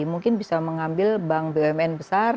mungkin bisa mengambil bank bumn besar